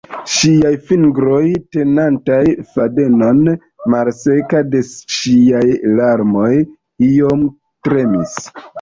Ŝiaj fingroj, tenantaj fadenon, malseka de ŝiaj larmoj, iom tremis.